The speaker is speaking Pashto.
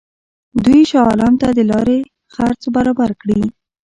دوی شاه عالم ته د لارې خرڅ برابر کړي.